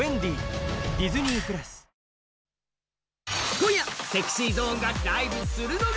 今夜、ＳｅｘｙＺｏｎｅがライブするのが